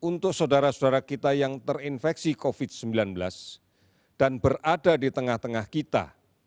untuk saudara saudara kita yang terinfeksi covid sembilan belas dan berada di tengah tengah kita